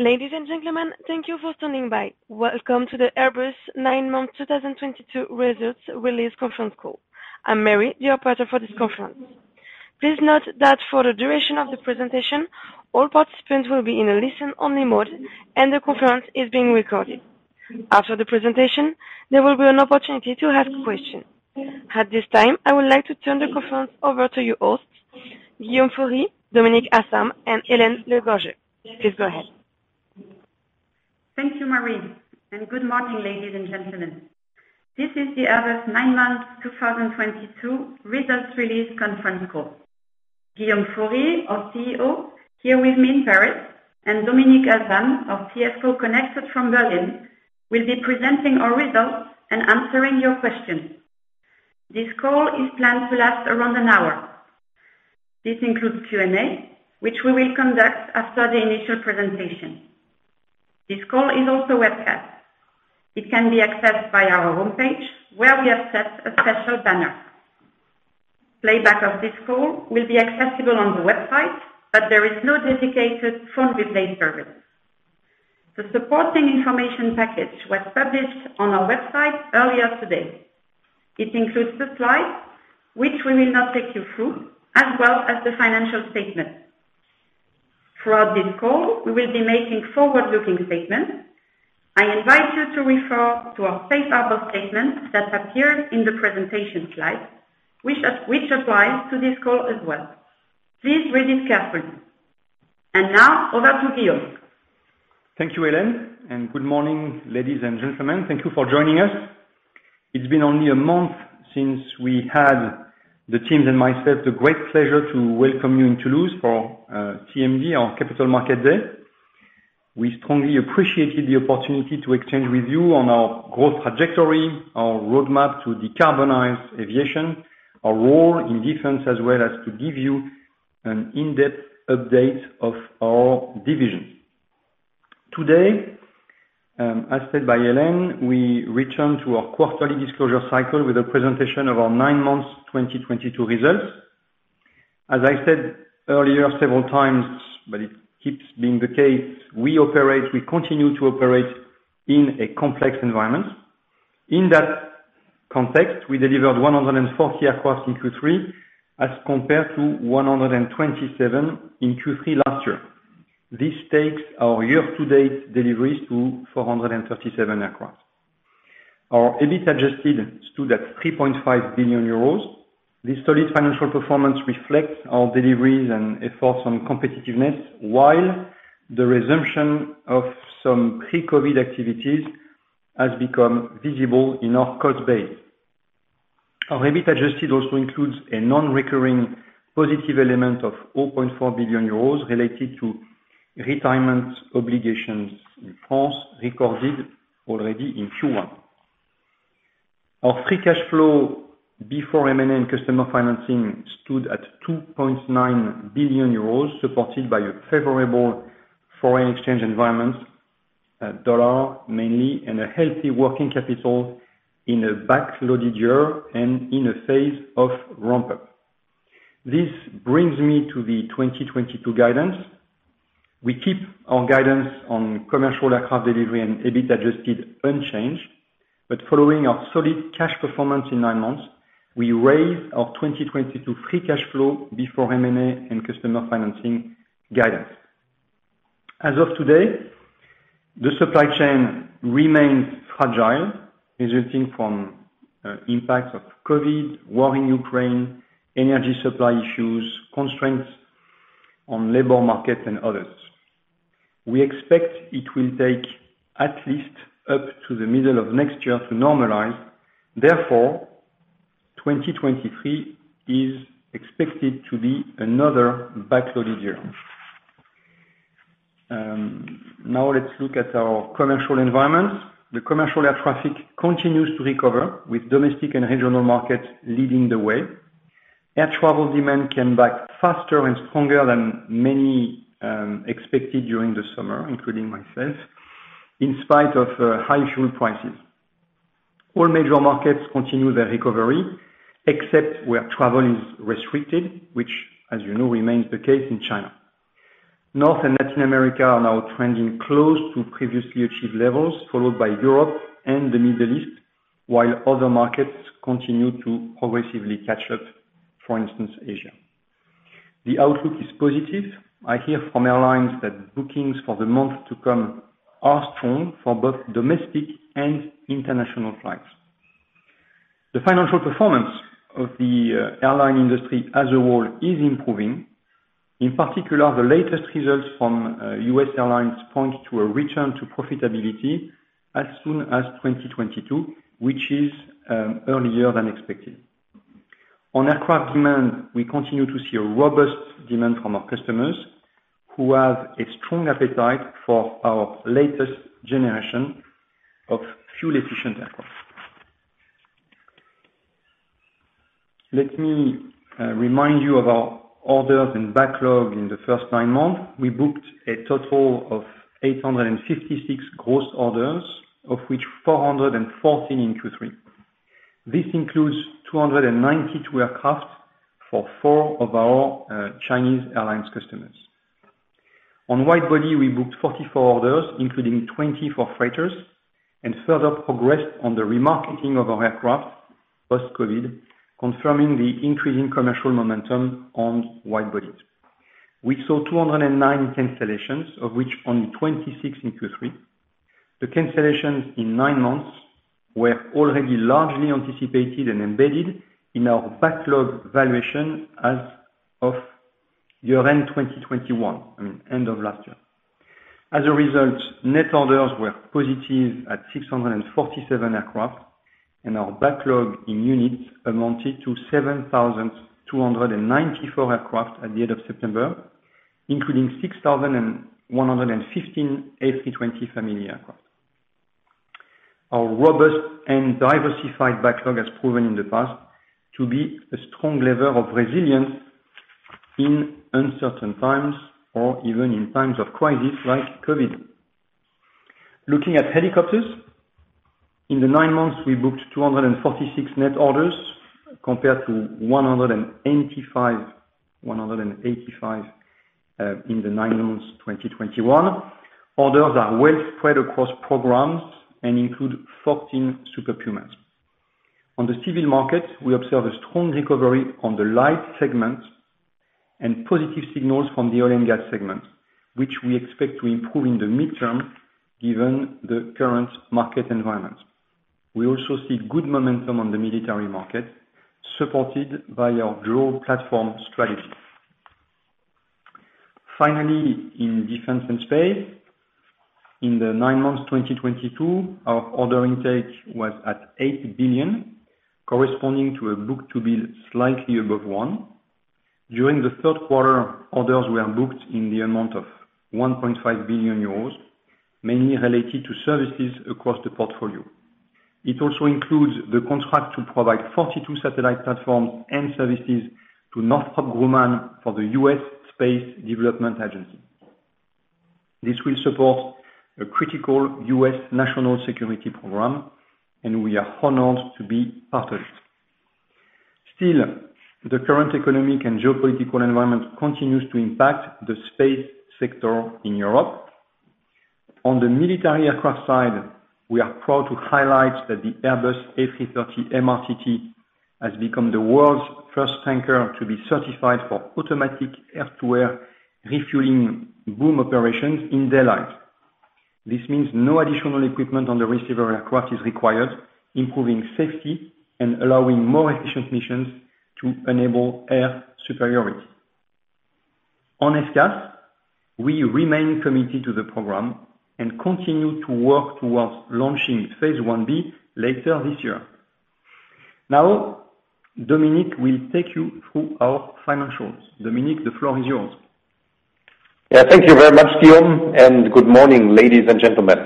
Ladies and gentlemen, thank you for standing by. Welcome to the Airbus Nine-Month 2022 Results Release Conference Call. I'm Mary, your operator for this conference. Please note that for the duration of the presentation, all participants will be in a listen-only mode and the conference is being recorded. After the presentation, there will be an opportunity to ask questions. At this time, I would like to turn the conference over to your hosts, Guillaume Faury, Dominik Asam, and Hélène Le Gorgeu. Please go ahead. Thank you, Mary, and good morning, ladies and gentlemen. This is the Airbus Nine-Months 2022 Results Release Conference Call. Guillaume Faury, our CEO, here with me in Paris, and Dominik Asam, our CFO, connected from Berlin, will be presenting our results and answering your questions. This call is planned to last around an hour. This includes Q&A, which we will conduct after the initial presentation. This call is also webcast. It can be accessed via our homepage, where we have set a special banner. Playback of this call will be accessible on the website, but there is no dedicated phone replay service. The supporting information package was published on our website earlier today. It includes the slides, which we will now take you through, as well as the financial statement. Throughout this call, we will be making forward-looking statements. I invite you to refer to our safe harbor statement that appeared in the presentation slide, which applies to this call as well. Please read it carefully. Now over to Guillaume. Thank you, Hélène, and good morning, ladies and gentlemen. Thank you for joining us. It's been only a month since we had the teams and myself the great pleasure to welcome you in Toulouse for CMD, our Capital Market Day. We strongly appreciated the opportunity to exchange with you on our growth trajectory, our roadmap to decarbonize aviation, our role in defense, as well as to give you an in-depth update of our divisions. Today, as said by Hélène, we return to our quarterly disclosure cycle with a presentation of our nine months 2022 results. As I said earlier several times, but it keeps being the case, we continue to operate in a complex environment. In that context, we delivered 140 aircraft in Q3 as compared to 127 in Q3 last year. This takes our year-to-date deliveries to 437 aircraft. Our EBIT Adjusted stood at 3.5 billion euros. This solid financial performance reflects our deliveries and efforts on competitiveness, while the resumption of some pre-COVID activities has become visible in our cost base. Our EBIT Adjusted also includes a non-recurring positive element of 4.4 billion euros related to retirement obligations in France, recorded already in Q1. Our free cash flow before M&A and customer financing stood at 2.9 billion euros, supported by a favorable foreign exchange environment, dollar mainly, and a healthy working capital in a backloaded year and in a phase of ramp up. This brings me to the 2022 guidance. We keep our guidance on commercial aircraft delivery and EBIT Adjusted unchanged, but following our solid cash performance in nine months, we raised our 2022 free cash flow before M&A and customer financing guidance. As of today, the supply chain remains fragile, resulting from impacts of COVID, war in Ukraine, energy supply issues, constraints on labor market and others. We expect it will take at least up to the middle of next year to normalize. Therefore, 2023 is expected to be another backloaded year. Now let's look at our commercial environment. The commercial air traffic continues to recover with domestic and regional markets leading the way. Air travel demand came back faster and stronger than many expected during the summer, including myself, in spite of high fuel prices. All major markets continue their recovery except where travel is restricted, which as you know, remains the case in China. North and Latin America are now trending close to previously achieved levels, followed by Europe and the Middle East, while other markets continue to progressively catch up, for instance, Asia. The outlook is positive. I hear from airlines that bookings for the month to come are strong for both domestic and international flights. The financial performance of the airline industry as a whole is improving. In particular, the latest results from U.S. airlines point to a return to profitability as soon as 2022, which is earlier than expected. On aircraft demand, we continue to see a robust demand from our customers who have a strong appetite for our latest generation of fuel-efficient aircraft. Let me remind you of our orders and backlog in the first nine months. We booked a total of 856 gross orders, of which 414 in Q3. This includes 292 aircraft for four of our Chinese airlines customers. On wide body, we booked 44 orders, including 24 freighters and further progressed on the remarketing of our aircraft post-COVID, confirming the increasing commercial momentum on wide bodies. We saw 209 cancellations, of which only 26 in Q3. The cancellations in nine months were already largely anticipated and embedded in our backlog valuation as of year-end 2021, I mean end of last year. As a result, net orders were positive at 647 aircraft and our backlog in units amounted to 7,294 aircraft at the end of September, including 6,115 A320 family aircraft. Our robust and diversified backlog has proven in the past to be a strong level of resilience in uncertain times or even in times of crisis like COVID. Looking at helicopters, in the nine months we booked 246 net orders compared to 185 in the nine months 2021. Orders are well spread across programs and include 14 Super Pumas. On the civil market, we observe a strong recovery on the light segment and positive signals from the oil and gas segment, which we expect to improve in the mid-term given the current market environment. We also see good momentum on the military market supported by our grow platform strategy. Finally, in defense and space, in the nine months 2022, our order intake was at 8 billion, corresponding to a book-to-bill slightly above one. During the third quarter, orders were booked in the amount of 1.5 billion euros, mainly related to services across the portfolio. It also includes the contract to provide 42 satellite platforms and services to Northrop Grumman for the U.S. Space Development Agency. This will support a critical U.S. national security program, and we are honored to be partners. Still, the current economic and geopolitical environment continues to impact the space sector in Europe. On the military aircraft side, we are proud to highlight that the Airbus A330 MRTT has become the world's first tanker to be certified for automatic air-to-air refueling boom operations in daylight. This means no additional equipment on the receiver aircraft is required, improving safety and allowing more efficient missions to enable air superiority. On SCAS, we remain committed to the program and continue to work towards launching phase Ib later this year. Now, Dominik Asam will take you through our financials. Dominik Asam, the floor is yours. Yeah. Thank you very much, Guillaume, and good morning, ladies and gentlemen.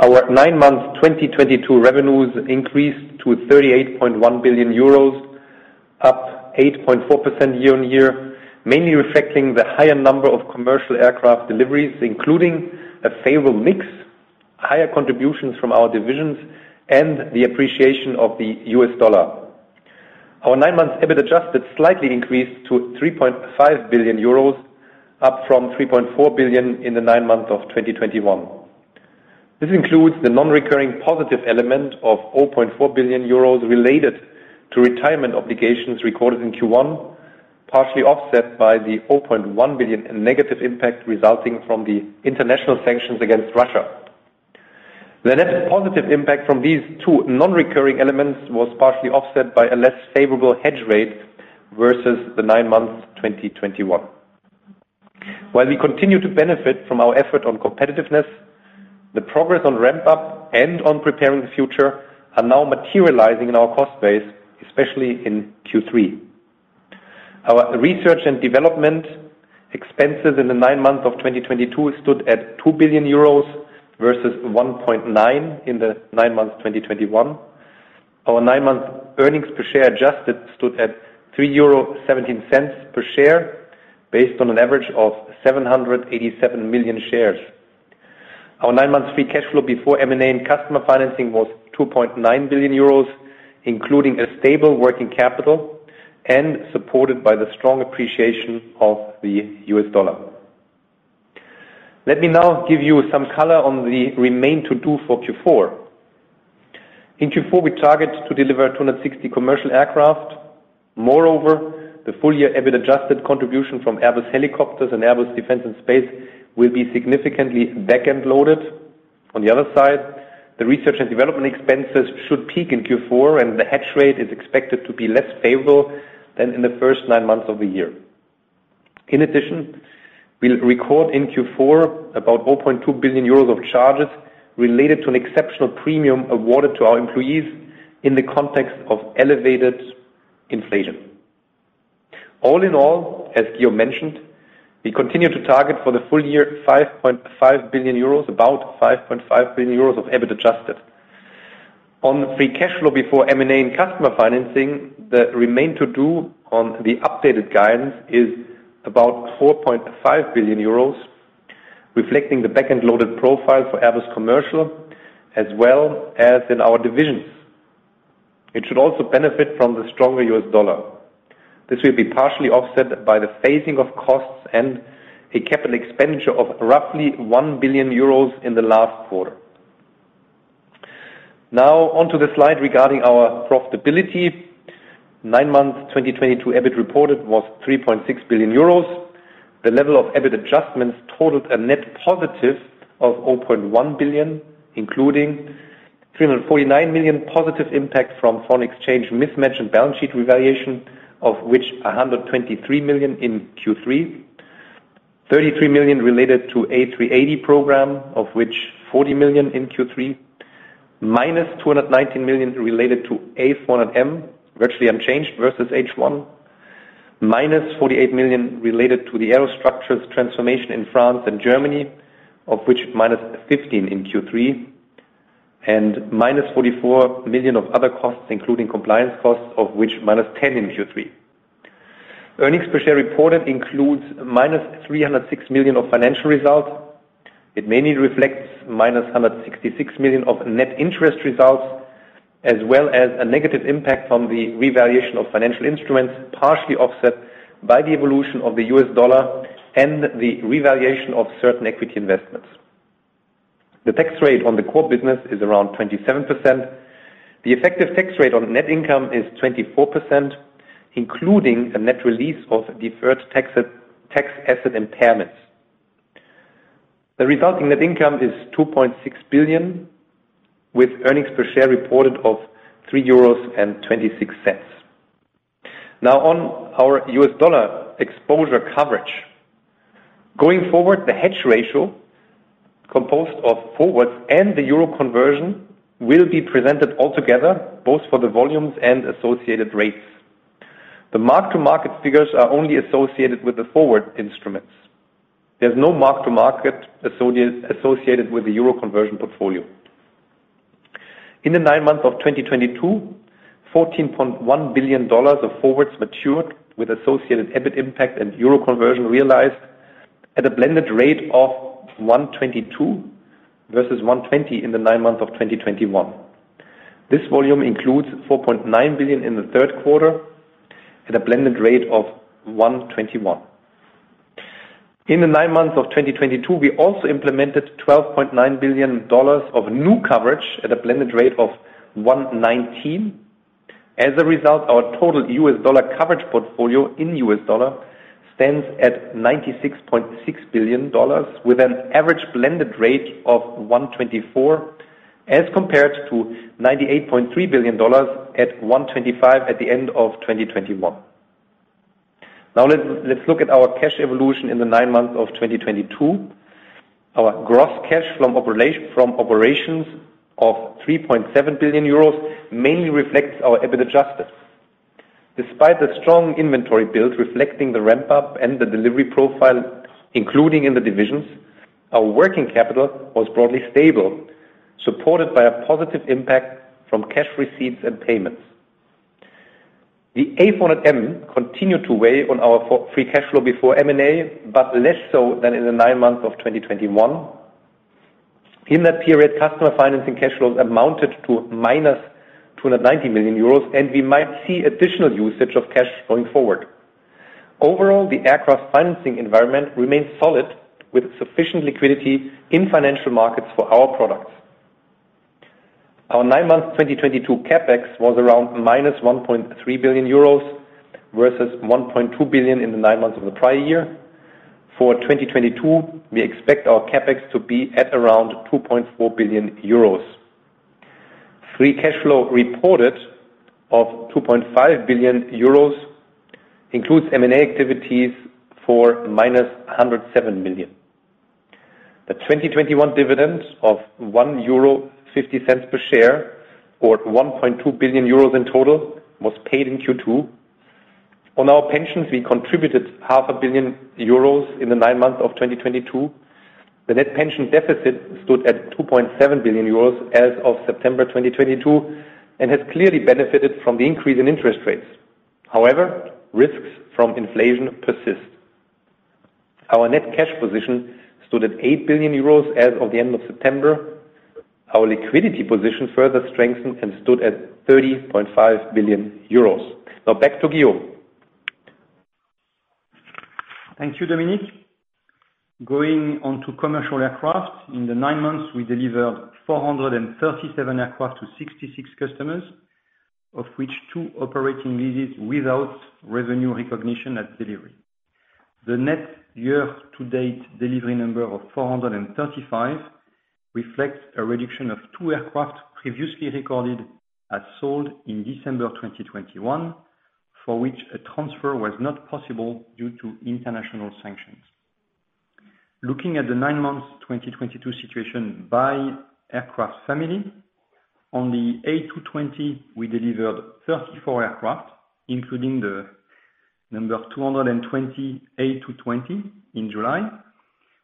Our nine-month 2022 revenues increased to 38.1 billion euros, up 8.4% year-on-year, mainly reflecting the higher number of commercial aircraft deliveries, including a favorable mix, higher contributions from our divisions, and the appreciation of the U.S. dollar. Our nine-month EBIT Adjusted slightly increased to 3.5 billion euros, up from 3.4 billion in the nine-month of 2021. This includes the non-recurring positive element of 4.4 billion euros related to retirement obligations recorded in Q1, partially offset by the 4.1 billion in negative impact resulting from the international sanctions against Russia. The net positive impact from these two non-recurring elements was partially offset by a less favorable hedge rate versus the nine months, 2021. While we continue to benefit from our effort on competitiveness, the progress on ramp up and on preparing the future are now materializing in our cost base, especially in Q3. Our research and development expenses in the nine months of 2022 stood at 2 billion euros versus 1.9 billion in the nine months, 2021. Our nine-month earnings per share adjusted stood at 3.17 euro per share based on an average of 787 million shares. Our nine months free cash flow before M&A and customer financing was 2.9 billion euros, including a stable working capital and supported by the strong appreciation of the U.S. dollar. Let me now give you some color on the remaining to do for Q4. In Q4, we target to deliver 260 commercial aircraft. Moreover, the full year EBIT Adjusted contribution from Airbus Helicopters and Airbus Defence and Space will be significantly back-end loaded. On the other side, the research and development expenses should peak in Q4, and the hedge rate is expected to be less favorable than in the first nine months of the year. In addition, we'll record in Q4 about 4.2 billion euros of charges related to an exceptional premium awarded to our employees in the context of elevated inflation. All in all, as Guillaume mentioned, we continue to target for the full year, 5.5 billion euros, about 5.5 billion euros of EBIT Adjusted. On free cash flow before M&A and customer financing, the remaining to do on the updated guidance is about 4.5 billion euros. Reflecting the back-end loaded profile for Airbus Commercial, as well as in our divisions. It should also benefit from the stronger U.S. dollar. This will be partially offset by the phasing of costs and a capital expenditure of roughly 1 billion euros in the last quarter. Now on to the slide regarding our profitability. Nine months 2022 EBIT reported was 30.6 billion euros. The level of EBIT Adjustments totaled a net positive of 0.1 billion, including 349 million positive impact from foreign exchange mismatch and balance sheet revaluation, of which 123 million in Q3. 33 million related to A380 program, of which 40 million in Q3, -219 million related to A400M, virtually unchanged versus H1, -48 million related to the aerostructures transformation in France and Germany, of which -15 million in Q3, and -44 million of other costs, including compliance costs, of which -10 million in Q3. Earnings per share reported includes -306 million of financial results. It mainly reflects -166 million of net interest results, as well as a negative impact from the revaluation of financial instruments, partially offset by the evolution of the U.S. dollar and the revaluation of certain equity investments. The tax rate on the core business is around 27%. The effective tax rate on net income is 24%, including a net release of deferred tax asset impairments. The resulting net income is 2.6 billion, with earnings per share reported of 3.26 euros. Now on our U.S. dollar exposure coverage. Going forward, the hedge ratio composed of forwards and the euro conversion will be presented altogether, both for the volumes and associated rates. The mark-to-market figures are only associated with the forward instruments. There's no mark-to-market associated with the euro conversion portfolio. In the nine months of 2022, $14.1 billion of forwards matured with associated EBIT impact and euro conversion realized at a blended rate of 1.22 versus 1.20 in the nine months of 2021. This volume includes $4.9 billion in the third quarter at a blended rate of 1.21. In the nine months of 2022, we also implemented $12.9 billion of new coverage at a blended rate of 1.19. As a result, our total U.S. dollar coverage portfolio in U.S. Dollar stands at $96.6 billion, with an average blended rate of 1.24, as compared to $98.3 billion at 1.25 at the end of 2021. Let's look at our cash evolution in the nine months of 2022. Our gross cash from operations of 3.7 billion euros mainly reflects our EBIT Adjustments. Despite the strong inventory build reflecting the ramp up and the delivery profile, including in the divisions, our working capital was broadly stable, supported by a positive impact from cash receipts and payments. The A400M continued to weigh on our free cash flow before M&A, but less so than in the nine months of 2021. In that period, customer financing cash flows amounted to -290 million euros, and we might see additional usage of cash going forward. Overall, the aircraft financing environment remains solid, with sufficient liquidity in financial markets for our products. Our nine-month 2022 CapEx was around -1.3 billion euros, versus 1.2 billion in the nine months of the prior year. For 2022, we expect our CapEx to be at around 2.4 billion euros. Free cash flow reported of 2.5 billion euros includes M&A activities for -107 million. The 2021 dividends of 1.50 euro per share, or 1.2 billion euros in total, was paid in Q2. On our pensions, we contributed half a billion EUR in the nine months of 2022. The net pension deficit stood at 2.7 billion euros as of September 2022 and has clearly benefited from the increase in interest rates. However, risks from inflation persist. Our net cash position stood at 8 billion euros as of the end of September. Our liquidity position further strengthened and stood at 30.5 billion euros. Now back to Guillaume. Thank you, Dominik. Going on to commercial aircraft. In the nine months, we delivered 437 aircraft to 66 customers, of which two operating leases without revenue recognition at delivery. The net year-to-date delivery number of 435 reflects a reduction of two aircraft previously recorded as sold in December 2021, for which a transfer was not possible due to international sanctions. Looking at the nine months 2022 situation by aircraft family. On the A220, we delivered 34 aircraft, including the number 220 A220 in July.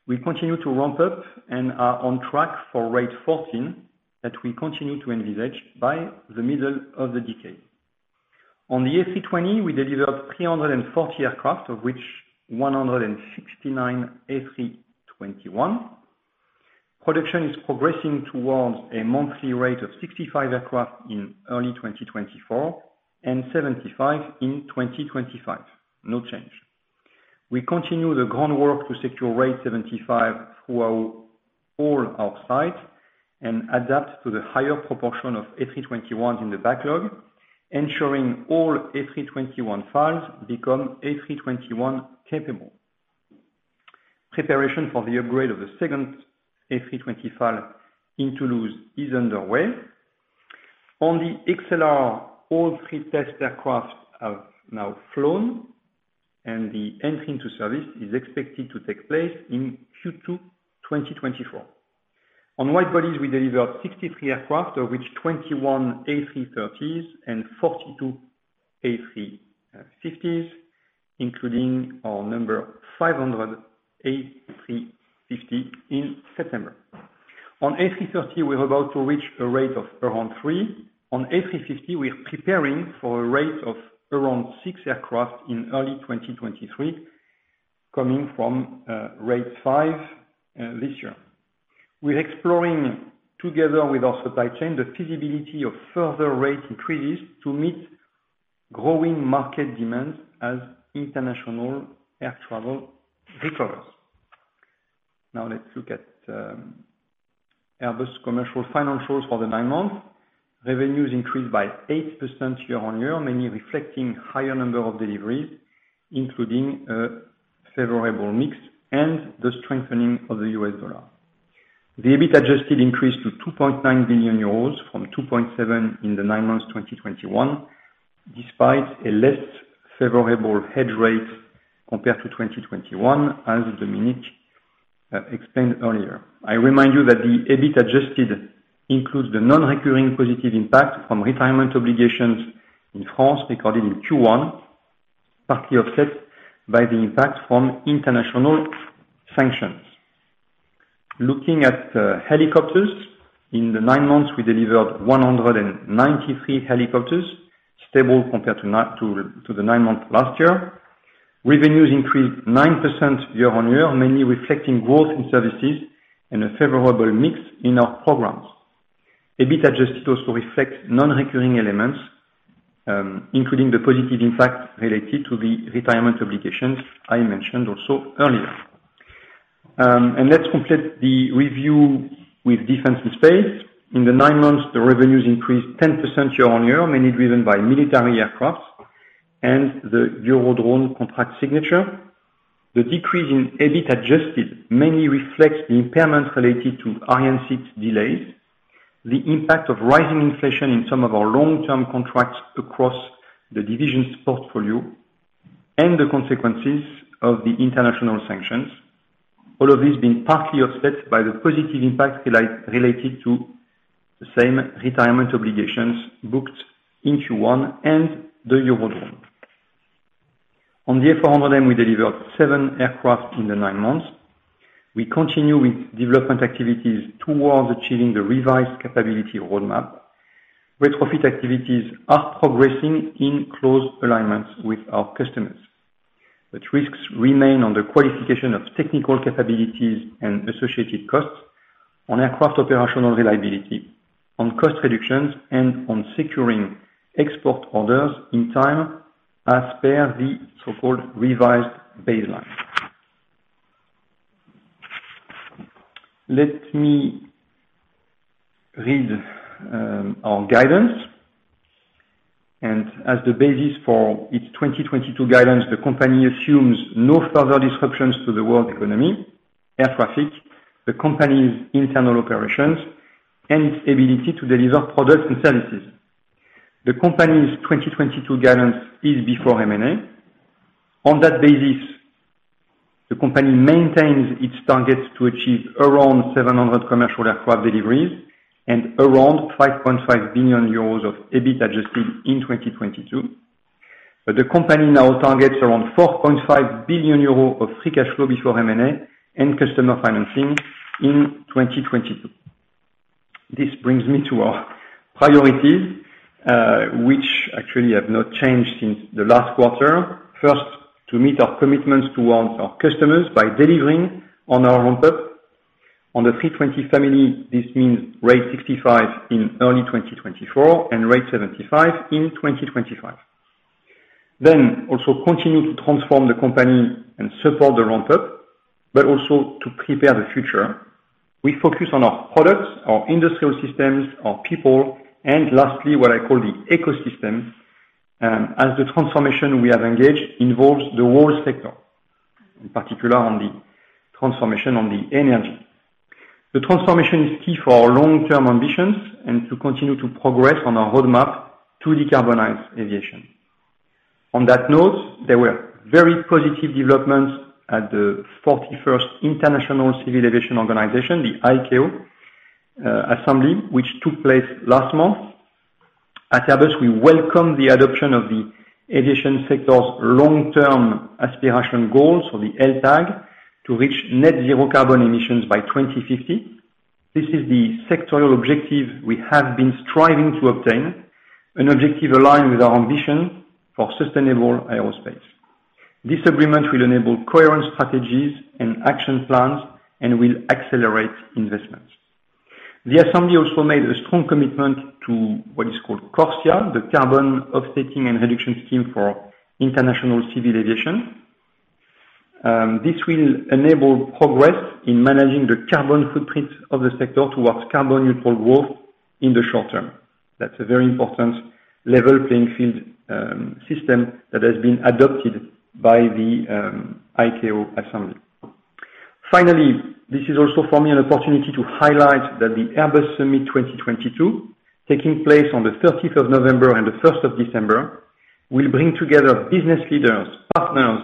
We continue to ramp up and are on track for rate 14 that we continue to envisage by the middle of the decade. On the A320, we delivered 340 aircraft, of which 169 A321. Production is progressing towards a monthly rate of 65 aircraft in early 2024 and 75 in 2025. No change. We continue the groundwork to secure rate 75 throughout all our sites and adapt to the higher proportion of A321 in the backlog, ensuring all A321 files become A321 capable. Preparation for the upgrade of the second A325 in Toulouse is underway. On the XLR, all three test aircraft have now flown and the entry into service is expected to take place in Q2 2024. On wide-bodies, we delivered 63 aircraft, of which 21 A330s and 42 A350s, including our number 500 A350 in September. On A330, we're about to reach a rate of around three. On A350, we are preparing for a rate of around six aircraft in early 2023 coming from rate five this year. We're exploring together with our supply chain the feasibility of further rate increases to meet growing market demands as international air travel recovers. Now let's look at Airbus Commercial financials for the nine months. Revenues increased by 8% year-on-year, mainly reflecting higher number of deliveries, including a favorable mix and the strengthening of the U.S. dollar. The EBIT Adjusted increased to 2.9 billion euros from 2.7 billion in the nine months 2021, despite a less favorable hedge rate compared to 2021 as Dominik explained earlier. I remind you that the EBIT Adjusted includes the non-recurring positive impact from retirement obligations in France recorded in Q1, partly offset by the impact from international sanctions. Looking at helicopters. In the nine months, we delivered 193 helicopters, stable compared to the nine months last year. Revenues increased 9% year-on-year, mainly reflecting growth in services and a favorable mix in our programs. EBIT Adjusted also reflects non-recurring elements, including the positive impact related to the retirement obligations I mentioned also earlier. Let's complete the review with Defense and Space. In the nine months, the revenues increased 10% year-on-year, mainly driven by military aircraft and the Eurodrone contract signature. The decrease in EBIT Adjusted mainly reflects the impairment related to Ariane 6 delays, the impact of rising inflation in some of our long-term contracts across the divisions portfolio, and the consequences of the international sanctions, all of this being partly offset by the positive impact related to the same retirement obligations booked in Q1 and the Eurodrone. On the A400M, we delivered seven aircraft in the nine months. We continue with development activities towards achieving the revised capability roadmap. Retrofit activities are progressing in close alignment with our customers, but risks remain on the qualification of technical capabilities and associated costs on aircraft operational reliability, on cost reductions, and on securing export orders in time as per the so-called revised baseline. Let me read our guidance, and as the basis for its 2022 guidance, the company assumes no further disruptions to the world economy, air traffic, the company's internal operations, and its ability to deliver products and services. The company's 2022 guidance is before M&A. On that basis, the company maintains its targets to achieve around 700 commercial aircraft deliveries and around 5.5 billion euros of EBIT Adjusted in 2022. The company now targets around 4.5 billion euros of free cash flow before M&A and customer financing in 2022. This brings me to our priorities, which actually have not changed since the last quarter. First, to meet our commitments towards our customers by delivering on our ramp up. On the A320 family, this means rate 65 in early 2024 and rate 75 in 2025. Also continue to transform the company and support the ramp up, but also to prepare the future. We focus on our products, our industrial systems, our people, and lastly, what I call the ecosystem, as the transformation we have engaged involves the whole sector, in particular on the transformation on the energy. The transformation is key for our long-term ambitions and to continue to progress on our roadmap to decarbonize aviation. On that note, there were very positive developments at the 41st International Civil Aviation Organization, the ICAO, assembly, which took place last month. At Airbus, we welcome the adoption of the aviation sector's long-term aspiration goals, so the LTAG, to reach net zero carbon emissions by 2050. This is the sectoral objective we have been striving to obtain, an objective aligned with our ambition for sustainable aerospace. This agreement will enable coherent strategies and action plans and will accelerate investments. The assembly also made a strong commitment to what is called CORSIA, the Carbon Offsetting and Reduction Scheme for International Civil Aviation. This will enable progress in managing the carbon footprint of the sector towards carbon neutral growth in the short term. That's a very important level playing field, system that has been adopted by the ICAO Assembly. Finally, this is also for me, an opportunity to highlight that the Airbus Summit 2022, taking place on the 13th November and the 1st December, will bring together business leaders, partners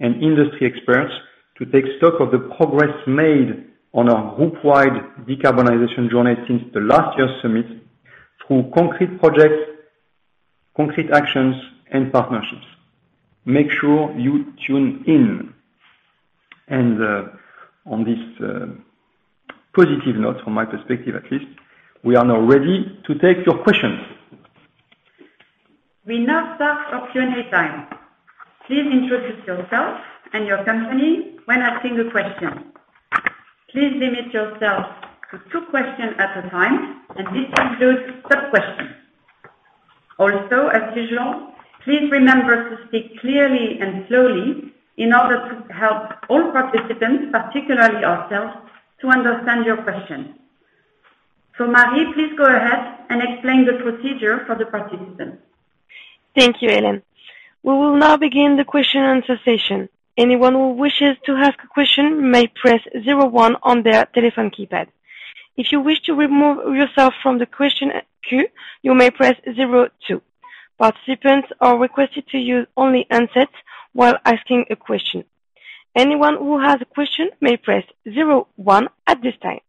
and industry experts to take stock of the progress made on our group wide decarbonization journey since the last year's summit through concrete projects, concrete actions and partnerships. Make sure you tune in. On this positive note, from my perspective at least, we are now ready to take your questions. We now start Q&A time. Please introduce yourself and your company when asking a question. Please limit yourself to two questions at a time, and this includes sub-questions. Also, as usual, please remember to speak clearly and slowly in order to help all participants, particularly ourselves, to understand your question. Mary, please go ahead and explain the procedure for the participants. Thank you, Hélène. We will now begin the question and answer session. Anyone who wishes to ask a question may press zero one on their telephone keypad. If you wish to remove yourself from the question queue, you may press zero two. Participants are requested to use only handsets while asking a question. Anyone who has a question may press zero one at this time.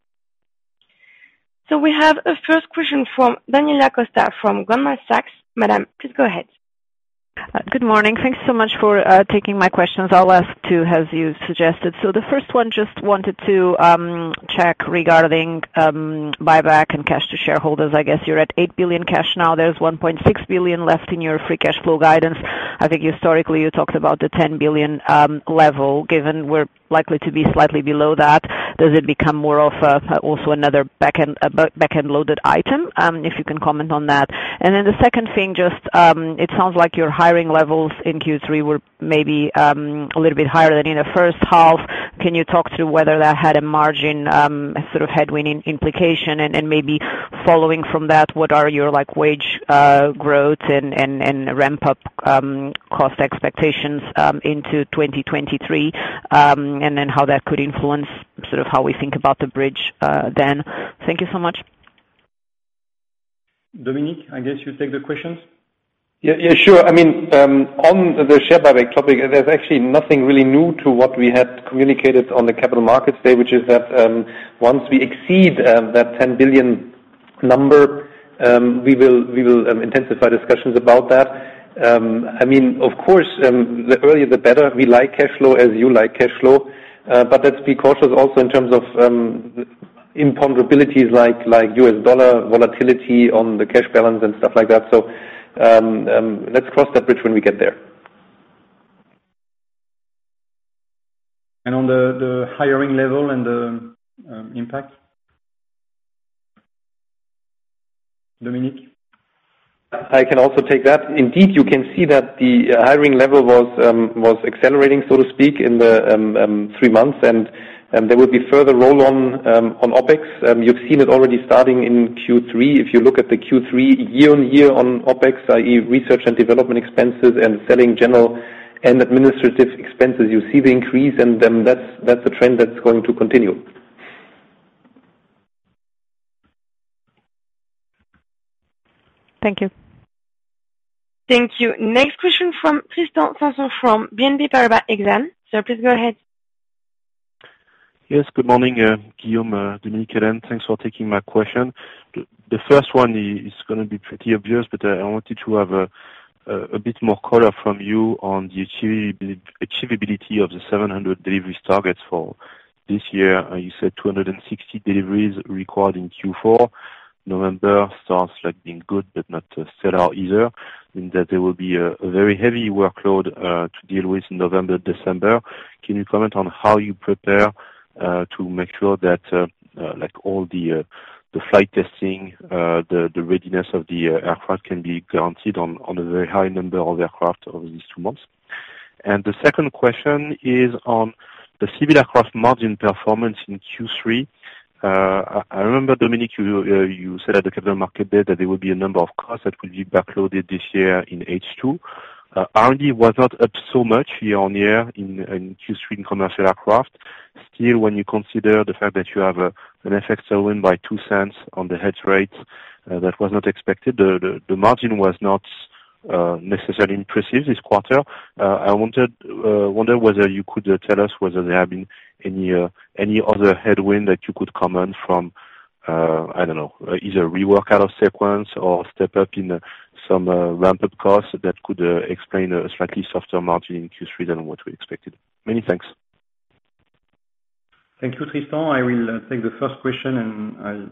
We have a first question from Daniela Costa from Goldman Sachs. Madam, please go ahead. Good morning. Thanks so much for taking my questions. I'll ask two as you suggested. The first one, just wanted to check regarding buyback and cash to shareholders. I guess you're at 8 billion cash now. There's 1.6 billion left in your free cash flow guidance. I think historically you talked about the 10 billion level. Given we're likely to be slightly below that, does it become more of also another back-end loaded item? If you can comment on that. Then the second thing, just it sounds like your hiring levels in Q3 were maybe a little bit higher than in the first half. Can you talk to whether that had a margin sort of headwind implication? Maybe following from that, what are your, like, wage growth and ramp up cost expectations into 2023? How that could influence sort of how we think about the bridge, then. Thank you so much. Dominik, I guess you take the questions. Yeah, yeah, sure. I mean, on the share buyback topic, there's actually nothing really new to what we had communicated on the Capital Market Day, which is that, once we exceed that 10 billion number, we will intensify discussions about that. I mean, of course, the earlier the better. We like cash flow as you like cash flow, but let's be cautious also in terms of imponderabilities like U.S. dollar volatility on the cash balance and stuff like that. Let's cross that bridge when we get there. On the hiring level and the impact? Dominik? I can also take that. Indeed, you can see that the hiring level was accelerating, so to speak, in the three months and there will be further roll on OpEx. You've seen it already starting in Q3. If you look at the Q3 year-over-year on OpEx, i.e., research and development expenses and selling general and administrative expenses, you see the increase. That's a trend that's going to continue. Thank you. Thank you. Next question from Tristan Sanson from BNP Paribas Exane. Sir, please go ahead. Yes, good morning, Guillaume, Dominik, Hélène. Thanks for taking my question. The first one is gonna be pretty obvious, but I wanted to have a bit more color from you on the achievability of the 700 deliveries targets for this year. You said 260 deliveries required in Q4. November starts, like, being good, but not sell out either, means that there will be a very heavy workload to deal with November, December. Can you comment on how you prepare to make sure that, like all the flight testing, the readiness of the aircraft can be guaranteed on a very high number of aircraft over these two months? The second question is on the civil aircraft margin performance in Q3. I remember, Dominik Asam, you said at the Capital Market Day that there would be a number of costs that will be backloaded this year in H2. R&D was not up so much year-over-year in Q3 in commercial aircraft. Still, when you consider the fact that you have an effect of wind by €0.02 on the hedge rate, that was not expected. The margin was not necessarily impressive this quarter. I wonder whether you could tell us whether there have been any other headwind that you could comment from, I don't know, either rework out of sequence or step up in some ramp up costs that could explain a slightly softer margin in Q3 than what we expected. Many thanks. Thank you, Tristan. I will take the first question, and I'll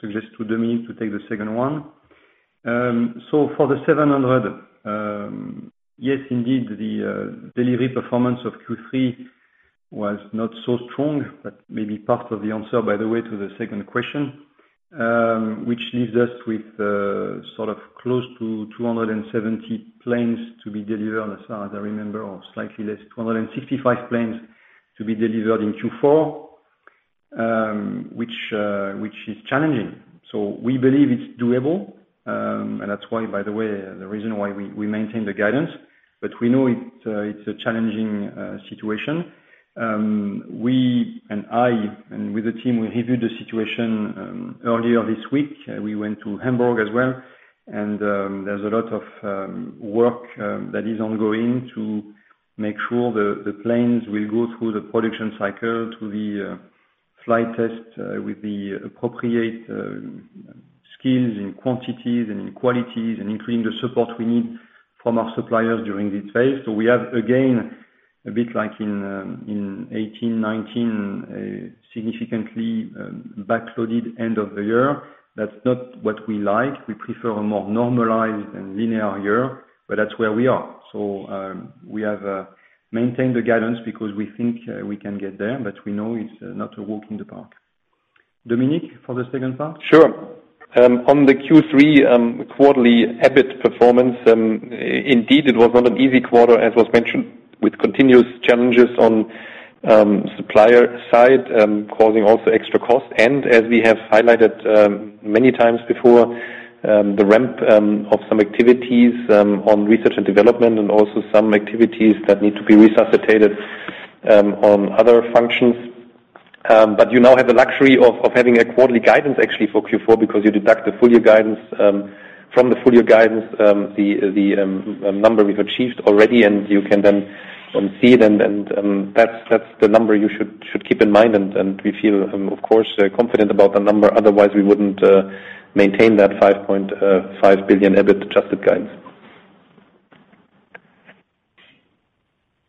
suggest to Dominik Asam to take the second one. For the 700, yes, indeed, the delivery performance of Q3 was not so strong, but maybe part of the answer, by the way, to the second question, which leaves us with sort of close to 270 planes to be delivered, as far as I remember, or slightly less, 265 planes to be delivered in Q4, which is challenging. We believe it's doable, and that's why, by the way, the reason why we maintain the guidance, but we know it's a challenging situation. We and I and with the team reviewed the situation earlier this week. We went to Hamburg as well, and there's a lot of work that is ongoing to make sure the planes will go through the production cycle to the flight test with the appropriate skills and quantities and qualities and including the support we need from our suppliers during this phase. We have, again, a bit like in 2018, 2019, significantly backloaded end of the year. That's not what we like. We prefer a more normalized and linear year. That's where we are. We have maintained the guidance because we think we can get there, but we know it's not a walk in the park. Dominik, for the second part? Sure. On the Q3 quarterly EBIT performance, indeed, it was not an easy quarter, as was mentioned, with continuous challenges on supplier side causing also extra cost, and as we have highlighted many times before, the ramp of some activities on research and development and also some activities that need to be resuscitated on other functions. You now have the luxury of having a quarterly guidance, actually, for Q4 because you deduct the full year guidance from the number we've achieved already, and you can then see it and that's the number you should keep in mind. We feel, of course, confident about the number, otherwise we wouldn't maintain that 5.5 billion EBIT Adjusted guidance.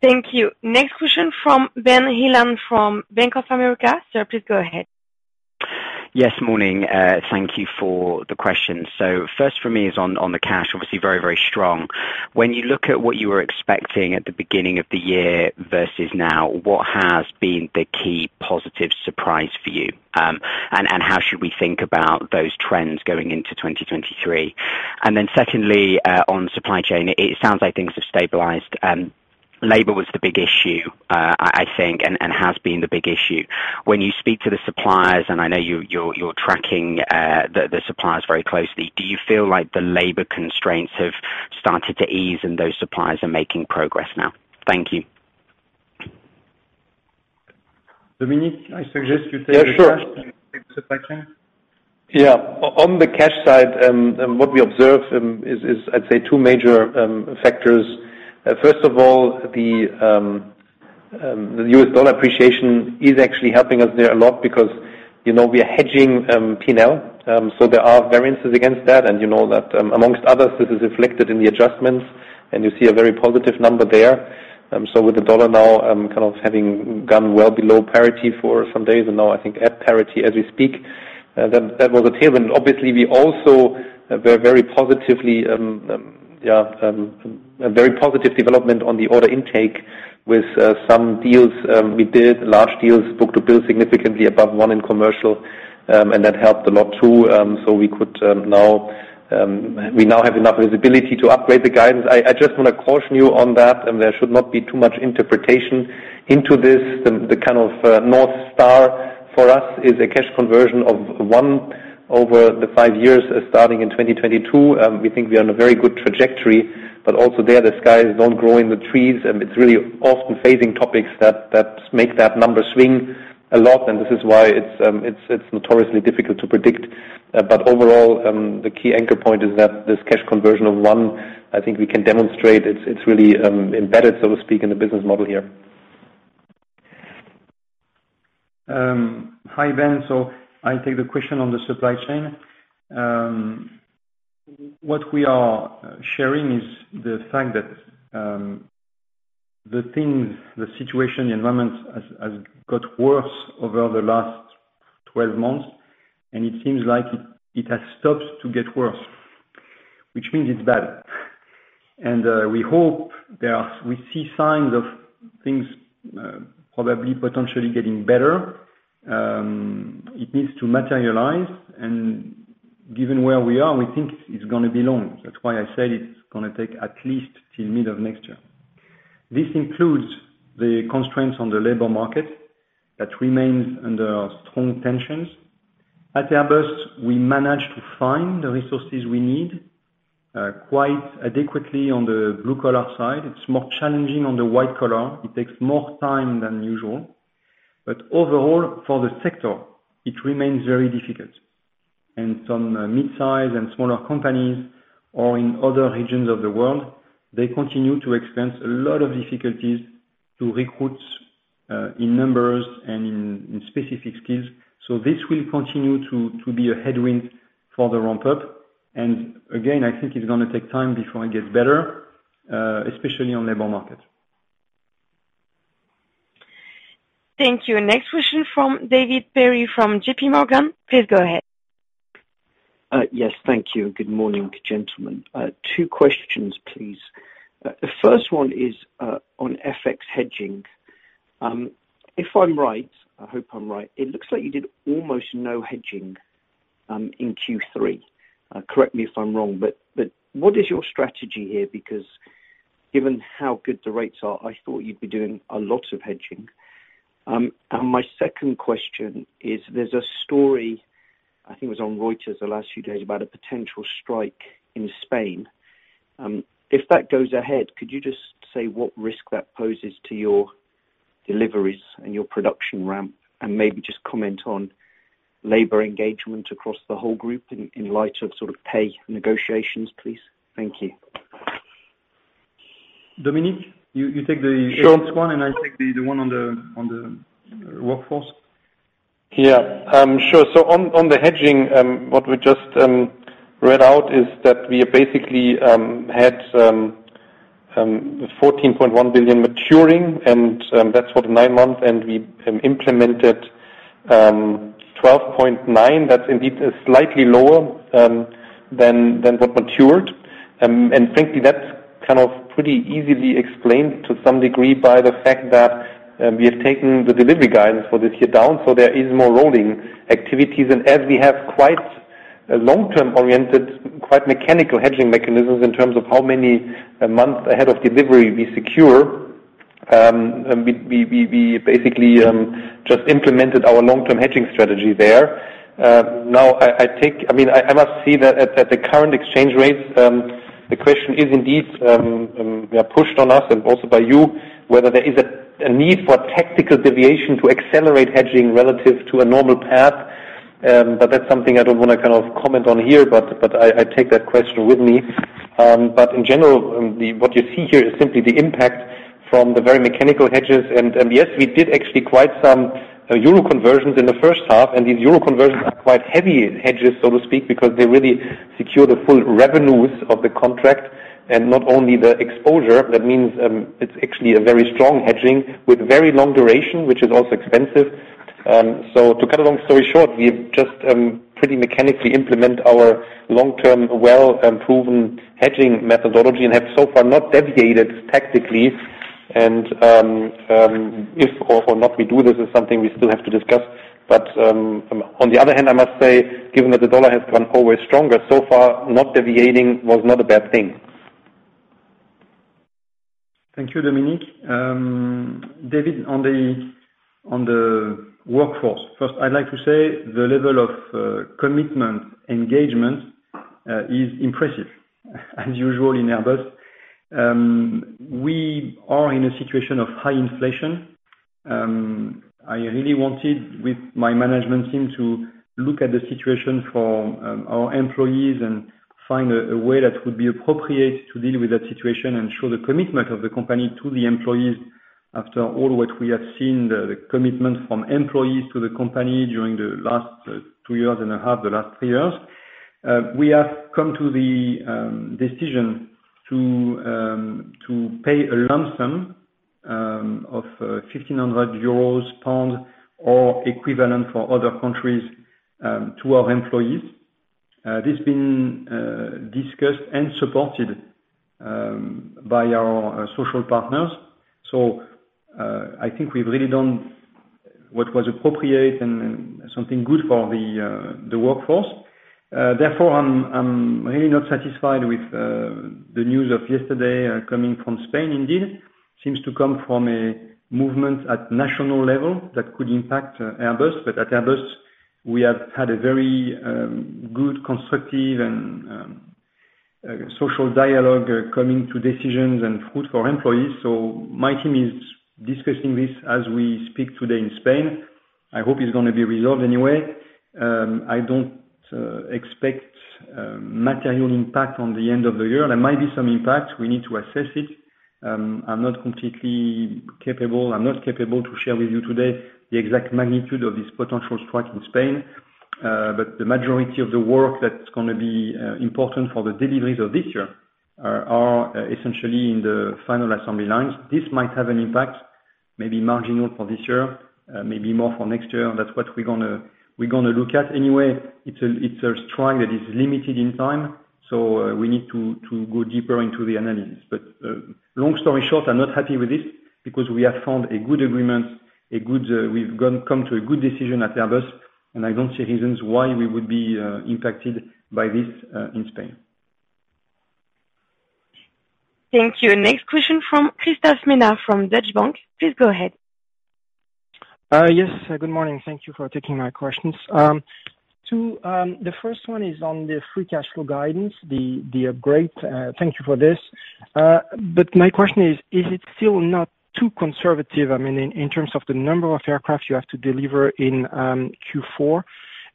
Thank you. Next question from Ben Heelan from Bank of America. Sir, please go ahead. Morning. Thank you for the question. First for me is on the cash, obviously very strong. When you look at what you were expecting at the beginning of the year versus now, what has been the key positive surprise for you? How should we think about those trends going into 2023? Secondly, on supply chain, it sounds like things have stabilized. Labor was the big issue, I think, and has been the big issue. When you speak to the suppliers, and I know you're tracking the suppliers very closely, do you feel like the labor constraints have started to ease and those suppliers are making progress now? Thank you. Dominik, I suggest you take. Yeah, sure. The first and take the second. Yeah. On the cash side, what we observe is I'd say two major factors. First of all, the U.S. dollar appreciation is actually helping us there a lot because, you know, we are hedging P&L, so there are variances against that, and you know that, among others, this is reflected in the adjustments, and you see a very positive number there. So with the dollar now kind of having gone well below parity for some days and now I think at parity as we speak, that was a tailwind. Obviously, we also were very positive, a very positive development on the order intake with some deals we did, large deals, book-to-bill significantly above one in commercial, and that helped a lot too, so we could now have enough visibility to upgrade the guidance. I just wanna caution you on that, and there should not be too much interpretation into this. The kind of North Star for us is a cash conversion of one over the five years, starting in 2022. We think we are on a very good trajectory, but also, the money doesn't grow on trees, and it's really often financing topics that make that number swing a lot, and this is why it's notoriously difficult to predict. Overall, the key anchor point is that this cash conversion of one, I think we can demonstrate it's really embedded, so to speak, in the business model here. Hi, Ben. I take the question on the supply chain. What we are sharing is the fact that the things, the situation, the environment has got worse over the last 12 months, and it seems like it has stopped to get worse, which means it's bad. We see signs of things probably potentially getting better. It needs to materialize, and given where we are, we think it's gonna be long. That's why I said it's gonna take at least till middle of next year. This includes the constraints on the labor market that remains under strong tensions. At Airbus, we managed to find the resources we need quite adequately on the blue collar side. It's more challenging on the white collar. It takes more time than usual. Overall, for the sector, it remains very difficult. Some mid-size and smaller companies in other regions of the world, they continue to experience a lot of difficulties to recruit in numbers and in specific skills. This will continue to be a headwind for the ramp up. Again, I think it's gonna take time before it gets better, especially in the labor market. Thank you. Next question from David Perry from JPMorgan. Please go ahead. Yes, thank you. Good morning, gentlemen. Two questions, please. The first one is on FX hedging. If I'm right, I hope I'm right, it looks like you did almost no hedging in Q3. Correct me if I'm wrong, but what is your strategy here? Because given how good the rates are, I thought you'd be doing a lot of hedging. My second question is there's a story, I think it was on Reuters the last few days, about a potential strike in Spain. If that goes ahead, could you just say what risk that poses to your deliveries and your production ramp, and maybe just comment on labor engagement across the whole group in light of sort of pay negotiations, please? Thank you. Dominik, you take the- Sure. hedging one, and I take the one on the workforce. Yeah. Sure. On the hedging, what we just read out is that we basically had 14.1 billion maturing, and that's for the nine months. We implemented 12.9 billion. That's indeed slightly lower than what matured. Frankly, that's kind of pretty easily explained to some degree by the fact that we have taken the delivery guidance for this year down, so there is more rolling activities. As we have quite a long-term oriented, quite mechanical hedging mechanisms in terms of how many months ahead of delivery we secure, we basically just implemented our long-term hedging strategy there. Now I mean I must see that at the current exchange rates, the question is indeed pushed on us and also by you, whether there is a need for tactical deviation to accelerate hedging relative to a normal path. That's something I don't wanna kind of comment on here, but I take that question with me. In general, what you see here is simply the impact from the very mechanical hedges. Yes, we did actually quite some Euro conversions in the first half, and these Euro conversions are quite heavy hedges, so to speak, because they really secure the full revenues of the contract and not only the exposure. That means, it's actually a very strong hedging with very long duration, which is also expensive. To cut a long story short, we've just pretty mechanically implemented our long-term, well, proven hedging methodology, and have so far not deviated tactically. If or not we do this is something we still have to discuss. On the other hand, I must say, given that the dollar has gone always stronger, so far not deviating was not a bad thing. Thank you, Dominik. David, on the workforce. First, I'd like to say the level of commitment, engagement, is impressive as usual in Airbus. We are in a situation of high inflation. I really wanted, with my management team, to look at the situation for our employees and find a way that would be appropriate to deal with that situation and show the commitment of the company to the employees after all what we have seen, the commitment from employees to the company during the last two years and a half, the last three years. We have come to the decision to pay a lump sum of 1,500 euros, GBP or equivalent for other countries to our employees. This has been discussed and supported by our social partners. I think we've really done what was appropriate and something good for the workforce. Therefore, I'm really not satisfied with the news of yesterday coming from Spain indeed. Seems to come from a movement at national level that could impact Airbus. At Airbus, we have had a very good, constructive and social dialogue coming to decisions and good for employees. My team is discussing this as we speak today in Spain. I hope it's gonna be resolved anyway. I don't expect material impact on the end of the year. There might be some impact. We need to assess it. I'm not capable to share with you today the exact magnitude of this potential strike in Spain. The majority of the work that's gonna be important for the deliveries of this year are essentially in the final assembly lines. This might have an impact, maybe marginal for this year, maybe more for next year. That's what we're gonna look at. Anyway, it's a strike that is limited in time, so we need to go deeper into the analysis. Long story short, I'm not happy with this because we've come to a good decision at Airbus, and I don't see reasons why we would be impacted by this in Spain. Thank you. Next question from Christophe Menard from Deutsche Bank. Please go ahead. Yes. Good morning. Thank you for taking my questions. Two, the first one is on the free cash flow guidance, the upgrade. Thank you for this. But my question is it still not too conservative, I mean, in terms of the number of aircraft you have to deliver in Q4?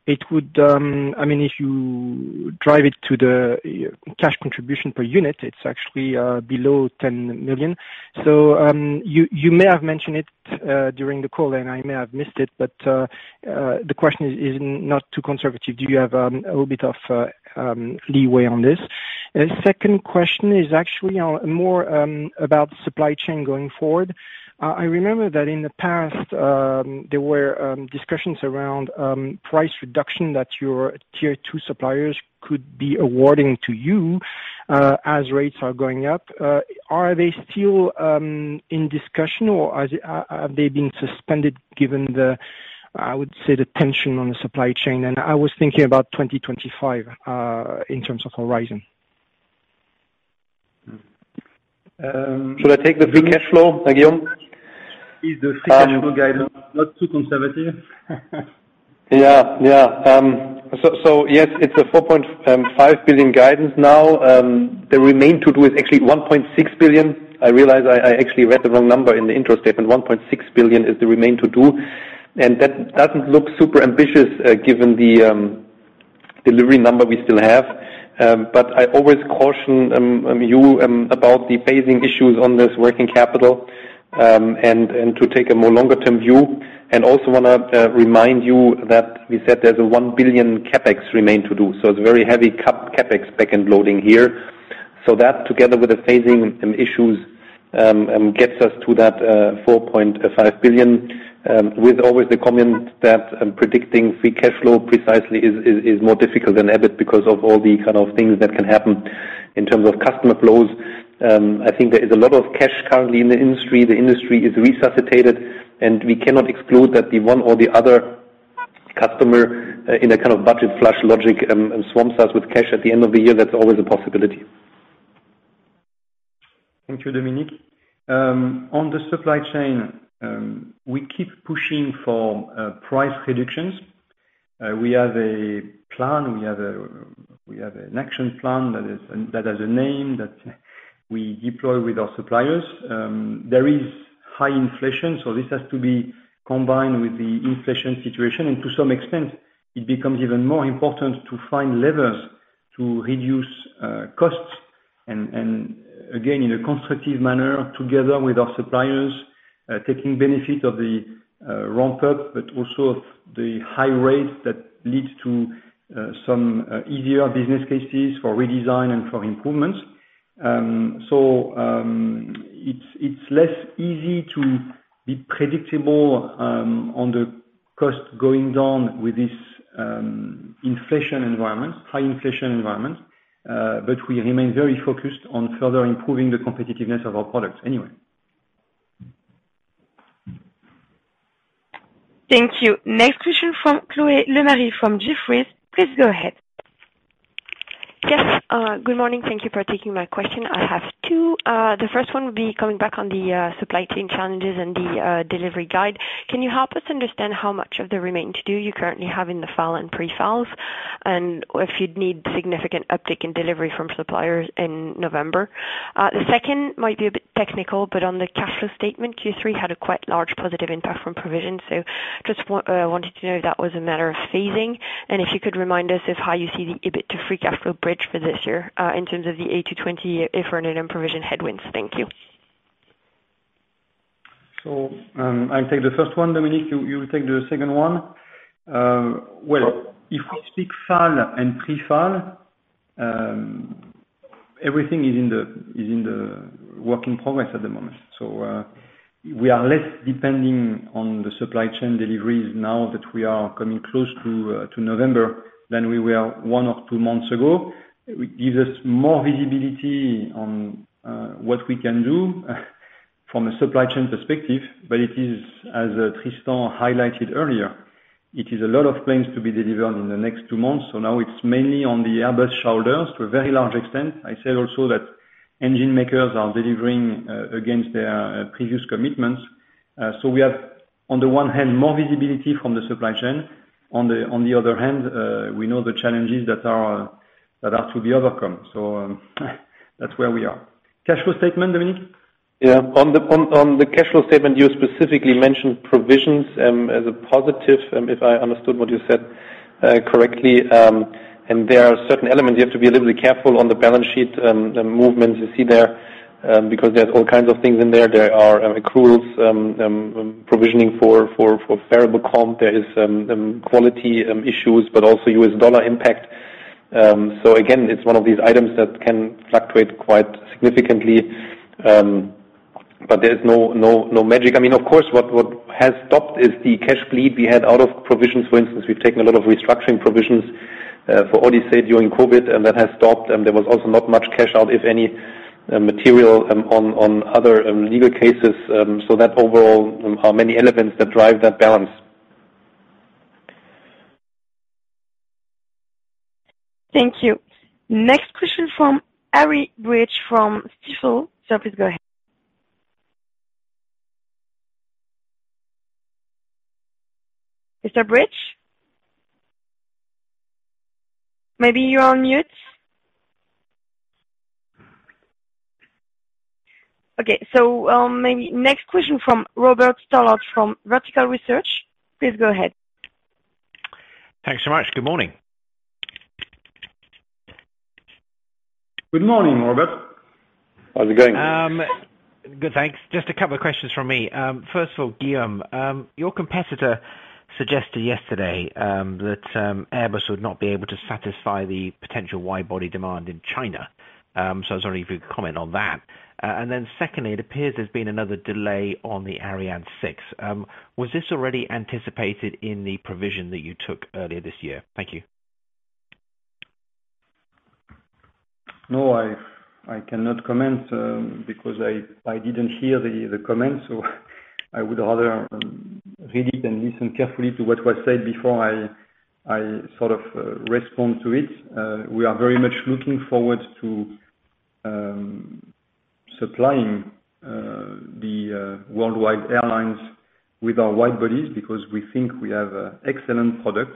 It would, I mean, if you drive it to the cash contribution per unit, it's actually below 10 million. You may have mentioned it during the call, and I may have missed it, but the question is not too conservative. Do you have a little bit of leeway on this? Second question is actually on more about supply chain going forward. I remember that in the past there were discussions around price reduction that your tier two suppliers could be awarding to you as rates are going up. Are they still in discussion or are they being suspended given the, I would say, the tension on the supply chain? I was thinking about 2025 in terms of horizon. Um. Should I take the free cash flow, Guillaume? Is the free cash flow guidance not too conservative? Yeah, so yes, it's a 4.5 billion guidance now. The remain to do is actually 1.6 billion. I realize I actually read the wrong number in the intro statement. 1.6 billion is the remain to do, and that doesn't look super ambitious, given the delivery number we still have. But I always caution you about the phasing issues on this working capital, and to take a more longer-term view, and also wanna remind you that we said there's a 1 billion CapEx remain to do. It's very heavy CapEx back-end loading here. That, together with the phasing issues, gets us to that 4.5 billion, with always the comment that predicting free cash flow precisely is more difficult than ever because of all the kind of things that can happen in terms of customer flows. I think there is a lot of cash currently in the industry. The industry is resuscitated, and we cannot exclude that the one or the other customer in a kind of budget flush logic swamps us with cash at the end of the year. That's always a possibility. Thank you, Dominik Asam. On the supply chain, we keep pushing for price reductions. We have an action plan that has a name that we deploy with our suppliers. There is high inflation, so this has to be combined with the inflation situation. To some extent it becomes even more important to find levers to reduce costs and again, in a constructive manner together with our suppliers, taking benefit of the ramp up, but also the high rates that lead to some easier business cases for redesign and for improvements. It's less easy to be predictable on the cost going down with this inflation environment, high inflation environment, but we remain very focused on further improving the competitiveness of our products anyway. Thank you. Next question from Chloé Lemarié from Jefferies. Please go ahead. Yes, good morning. Thank you for taking my question. I have two. The first one would be coming back on the supply chain challenges and the delivery guidance. Can you help us understand how much of the remaining to do you currently have in the FAL and pre-FALs? And if you'd need significant uptick in deliveries from suppliers in November. The second might be a bit technical, but on the cash flow statement, Q3 had a quite large positive impact from provisions. Just wanted to know if that was a matter of phasing. And if you could remind us of how you see the EBIT to free cash flow bridge for this year, in terms of the A220 earn-in and provision headwinds. Thank you. I'll take the first one, Dominik Asam, you will take the second one. Well, if we speak FAL and pre-FAL, everything is in the work in progress at the moment. We are less dependent on the supply chain deliveries now that we are coming close to November than we were one or two months ago. It gives us more visibility on what we can do from a supply chain perspective, but it is, as Christophe Menard highlighted earlier, it is a lot of planes to be delivered in the next two months. Now it's mainly on the Airbus' shoulders to a very large extent. I said also that engine makers are delivering against their previous commitments. We have, on the one hand, more visibility from the supply chain. On the other hand, we know the challenges that are to be overcome. That's where we are. Cash flow statement, Dominik? Yeah. On the cash flow statement, you specifically mentioned provisions as a positive, if I understood what you said correctly. There are certain elements you have to be a little bit careful on the balance sheet movements you see there, because there's all kinds of things in there. There are accruals, provisioning for variable comp. There is quality issues, but also U.S. dollar impact. Again, it's one of these items that can fluctuate quite significantly, but there's no magic. I mean, of course, what has stopped is the cash bleed we had out of provisions. For instance, we've taken a lot of restructuring provisions for Odyssey during COVID, and that has stopped. There was also not much cash out, if any, material on other legal cases. Overall, there are many elements that drive that balance. Thank you. Next question from Eric Bridge from Stifel. Sir, please go ahead. Mr. Bridge? Maybe you're on mute. Okay. Maybe next question from Robert Stallard from Vertical Research. Please go ahead. Thanks so much. Good morning. Good morning, Robert. How's it going? Good, thanks. Just a couple of questions from me. First of all, Guillaume, your competitor suggested yesterday that Airbus would not be able to satisfy the potential wide body demand in China. I was wondering if you'd comment on that. Secondly, it appears there's been another delay on the Ariane 6. Was this already anticipated in the provision that you took earlier this year? Thank you. No, I cannot comment because I didn't hear the comment, so I would rather read it and listen carefully to what was said before I sort of respond to it. We are very much looking forward to supplying the worldwide airlines with our wide bodies because we think we have an excellent product.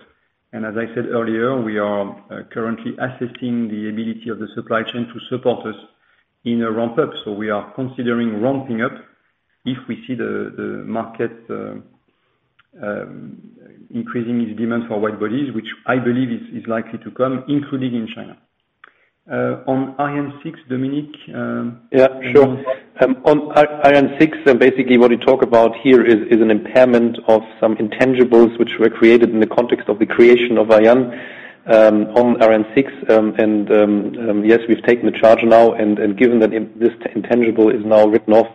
As I said earlier, we are currently assessing the ability of the supply chain to support us in a ramp up. We are considering ramping up if we see the market increasing its demand for wide bodies, which I believe is likely to come, including in China. On Ariane 6, Dominik. Yeah, sure. On Ariane 6, basically what we talk about here is an impairment of some intangibles which were created in the context of the creation of Ariane 6. Yes, we've taken the charge now, and given that this intangible is now written off,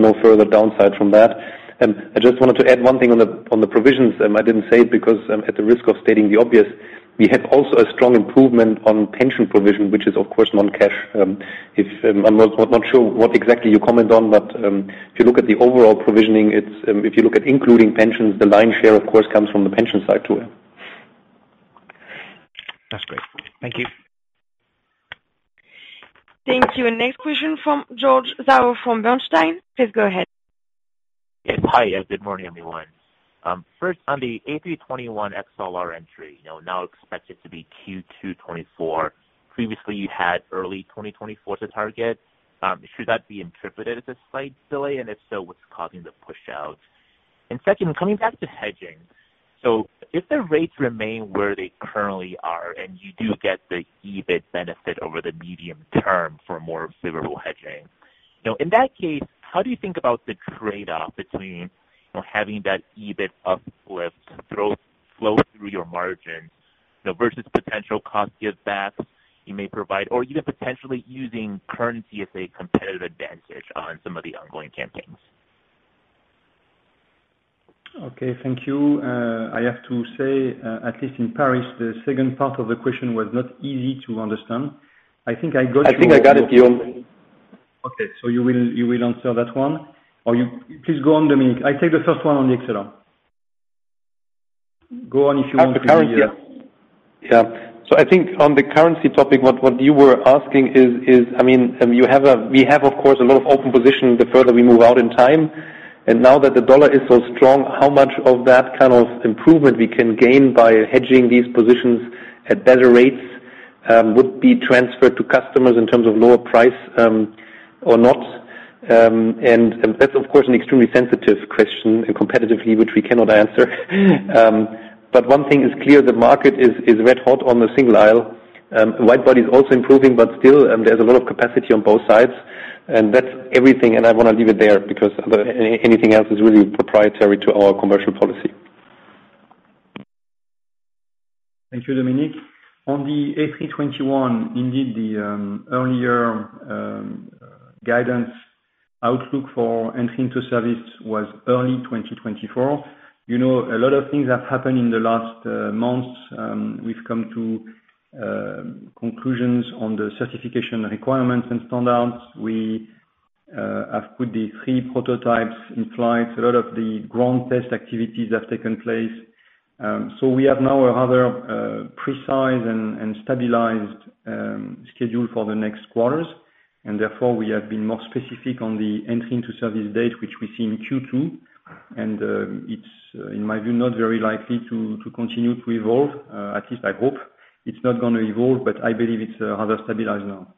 no further downside from that. I just wanted to add one thing on the provisions. I didn't say because I'm at the risk of stating the obvious, we have also a strong improvement on pension provision, which is of course not cash. If I'm not sure what exactly you comment on, but if you look at the overall provisioning, it's if you look at including pensions, the lion's share, of course, comes from the pension side too. That's great. Thank you. Thank you. Next question from George Zhao from Bernstein. Please go ahead. Yes. Hi. Good morning, everyone. First on the A321XLR entry, you know, now expected to be Q2 2024. Previously, you had early 2024 to target. Should that be interpreted as a slight delay, and if so, what's causing the push out? Second, coming back to hedging. If the rates remain where they currently are, and you do get the EBIT benefit over the medium term for more favorable hedging, you know, in that case, how do you think about the trade-off between, you know, having that EBIT uplift flow through your margins, you know, versus potential cost give back you may provide or even potentially using currency as a competitive advantage on some of the ongoing campaigns? Okay, thank you. I have to say, at least in Paris, the second part of the question was not easy to understand. I think I got you. I think I got it, Guillaume. Okay. You will answer that one. Or you please go on, Dominik. I'll take the first one on the A321XLR. Go on if you want. On the currency. I think on the currency topic, what you were asking is, I mean, we have, of course, a lot of open position the further we move out in time. Now that the U.S. dollar is so strong, how much of that kind of improvement we can gain by hedging these positions at better rates would be transferred to customers in terms of lower price or not. And that's of course an extremely sensitive question and competitively which we cannot answer. But one thing is clear, the market is red hot on the single aisle. Wide body is also improving, but still, there's a lot of capacity on both sides. That's everything, and I wanna leave it there because anything else is really proprietary to our commercial policy. Thank you, Dominik. On the A321, indeed, the earlier guidance outlook for entry into service was early 2024. You know, a lot of things have happened in the last months. We've come to conclusions on the certification requirements and standards. We have put the three prototypes in flight. A lot of the ground test activities have taken place. So we have now a rather precise and stabilized schedule for the next quarters, and therefore we have been more specific on the entry into service dates, which we see in Q2, and it's, in my view, not very likely to continue to evolve. At least I hope it's not gonna evolve, but I believe it's rather stabilized now.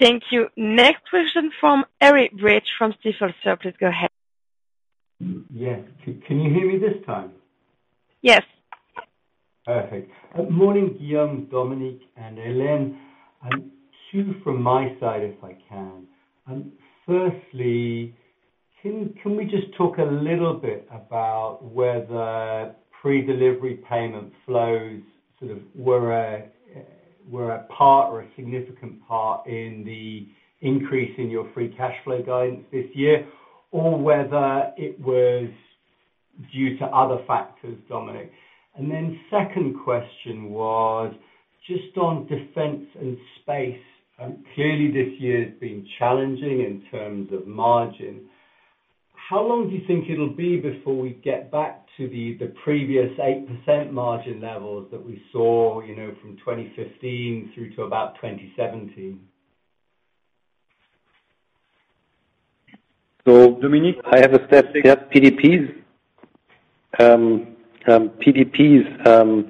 Thank you. Next question from Olivier Brochet from Stifel. Sir, please go ahead. Yes. Can you hear me this time? Yes. Perfect. Morning, Guillaume, Dominik, and Hélène. Two from my side, if I can. Firstly, can we just talk a little bit about whether pre-delivery payment flows sort of were a part or a significant part in the increase in your free cash flow guidance this year, or whether it was due to other factors, Dominik? Second question was just on Defence and Space. Clearly this year's been challenging in terms of margin. How long do you think it'll be before we get back to the previous 8% margin levels that we saw, you know, from 2015 through to about 2017? Dominik Asam, I have a step-by-step PDPs. PDPs,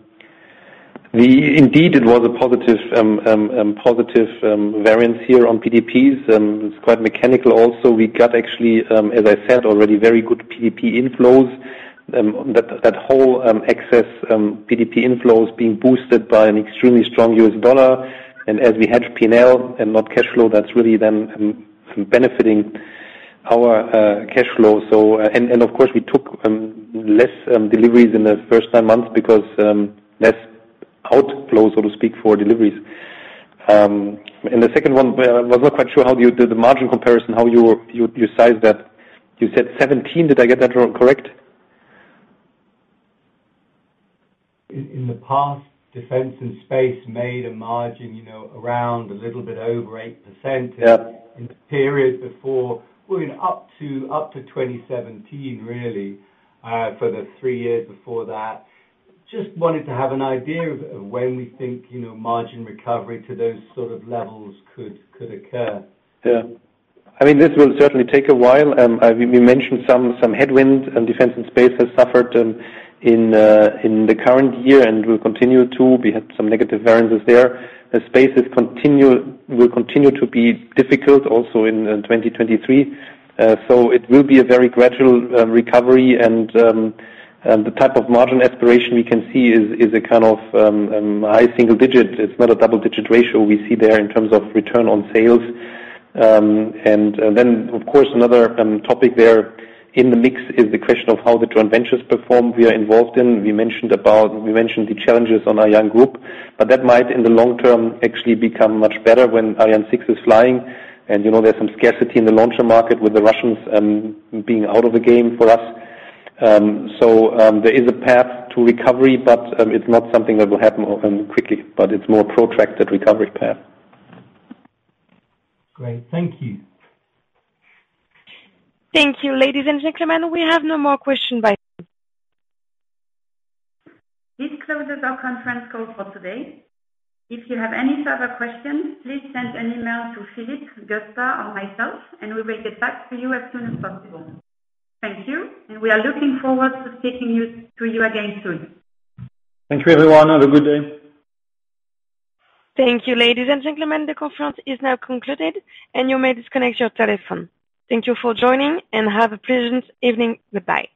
indeed it was a positive variance here on PDPs, and it's quite mechanical also. We got actually, as I said, already very good PDP inflows. That whole excess PDP inflows being boosted by an extremely strong U.S. dollar. As we hedge P&L and not cash flow, that's really then benefiting our cash flow. Of course, we took less deliveries in the first nine months because less outflow, so to speak, for deliveries. The second one, I was not quite sure how you did the margin comparison, how you sized that. You said 17%, did I get that correct? In the past, defense and space made a margin, you know, around a little bit over 8%. Yeah. Well, up to 2017, really, for the three years before that. Just wanted to have an idea of when we think, you know, margin recovery to those sort of levels could occur. Yeah. I mean, this will certainly take a while. We mentioned some headwinds and Defence and Space has suffered in the current year and will continue to. We have some negative variances there. Space will continue to be difficult also in 2023. So it will be a very gradual recovery and the type of margin aspiration we can see is a kind of high single digit. It's not a double-digit ratio we see there in terms of return on sales. Then, of course, another topic there in the mix is the question of how the joint ventures perform. We are involved in. We mentioned the challenges on ArianeGroup, but that might, in the long term, actually become much better when Ariane 6 is flying. You know, there's some scarcity in the launcher market with the Russians being out of the game for us. There is a path to recovery, but it's not something that will happen quickly, but it's more protracted recovery path. Great. Thank you. Thank you, ladies and gentlemen. We have no more question by phone. This closes our conference call for today. If you have any further questions, please send an email to Philip, Gustav, or myself, and we will get back to you as soon as possible. Thank you. We are looking forward to speaking to you again soon. Thank you everyone. Have a good day. Thank you, ladies and gentlemen. The conference is now concluded, and you may disconnect your telephone. Thank you for joining, and have a pleasant evening. Goodbye.